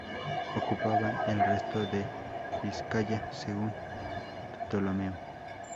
Ocupaban el resto de Vizcaya, según Ptolomeo.